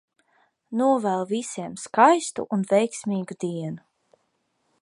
Novēlu visiem skaistu un veiksmīgu dienu!